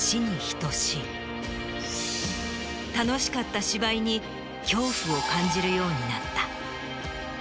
楽しかった芝居に恐怖を感じるようになった。